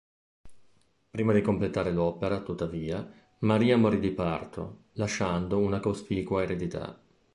Prima di completare l'opera, tuttavia, Maria morì di parto, lasciando una cospicua eredità.